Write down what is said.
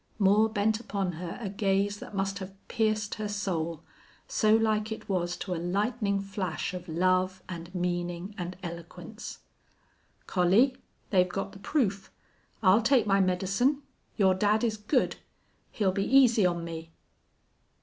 _" Moore bent upon her a gaze that must have pierced her soul, so like it was to a lightning flash of love and meaning and eloquence. "Collie, they've got the proof. I'll take my medicine.... Your dad is good. He'll be easy on me!'